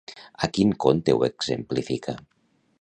Amb quin conte ho exemplifica?